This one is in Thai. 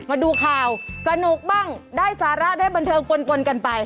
มาดูข่าวสนุกบ้างได้สาระได้บันเทิงกลกันไป